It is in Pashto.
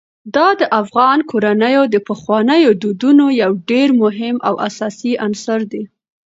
دا د افغان کورنیو د پخوانیو دودونو یو ډېر مهم او اساسي عنصر دی.